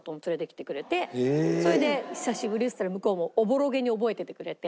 それで「久しぶり」って言ったら向こうもおぼろげに覚えててくれて。